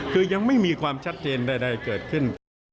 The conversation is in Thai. คือยังไม่มีความชัดเจนใดเกิดขึ้น